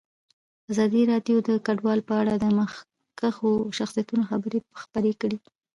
ازادي راډیو د کډوال په اړه د مخکښو شخصیتونو خبرې خپرې کړي.